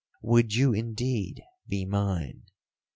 Would you indeed be mine?